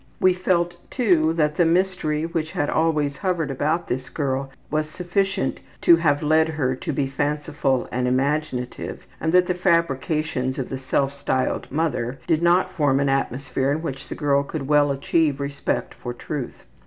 We felt, too, that the mystery which had always hovered about this girl was sufficient to have led her to be fanciful and imaginative and that the fabrications of the self styled ``mother'' did not form an atmosphere in which the girl could well achieve respect for truth.